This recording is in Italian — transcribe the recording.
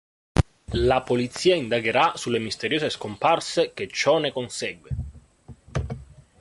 La polizia indagherà sulle misteriose scomparse che ciò ne consegue.